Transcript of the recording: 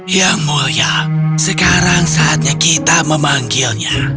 yang mulia sekarang saatnya kita memanggilnya